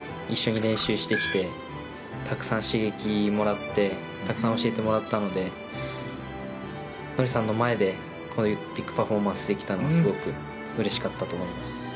本当に前回大会からすごく一緒に練習してきてたくさん刺激もらってたくさん教えてもらったのでノリさんの前でビッグパフォーマンスができたのはすごくうれしかったと思います。